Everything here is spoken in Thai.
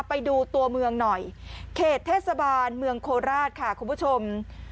ไปดูตัวเมืองหน่อยเขตเทศบาลเมืองโคราชค่ะคุณผู้ชม